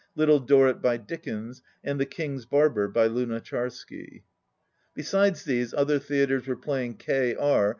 — "Little Dorrit" by Dickens and "The King's Barber" by Lu nacharsky. Besides these, other theatres were playing K. R.